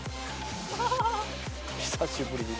・久しぶりに見た。